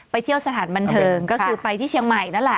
เที่ยวสถานบันเทิงก็คือไปที่เชียงใหม่นั่นแหละ